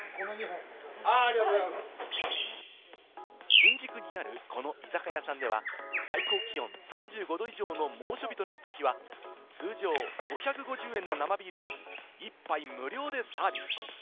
新宿にある、この居酒屋さんでは最高気温３５度以上の猛暑日となった日は、通常５５０円の生ビールを１杯無料でサービス。